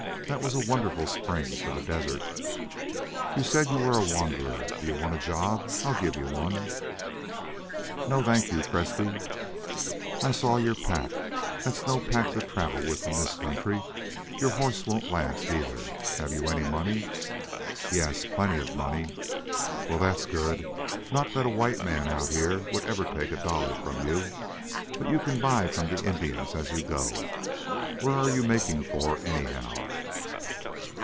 That was a wonderful spring for the desert." "You said you were a wanderer.... Do you want a job? I'll give you one." "No, thank you, Presbrey." "I saw your pack. That's no pack to travel with in this country. Your horse won't last, either. Have you any money?" "Yes, plenty of money." "Well, that's good. Not that a white man out here would ever take a dollar from you. But you can buy from the Indians as you go. Where are you making for, anyhow?"